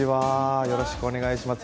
よろしくお願いします。